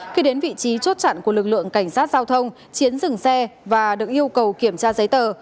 khi đến vị trí chốt chặn của lực lượng cảnh sát giao thông chiến dừng xe và được yêu cầu kiểm tra giấy tờ